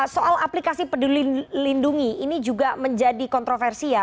soal aplikasi peduli lindungi ini juga menjadi kontroversi ya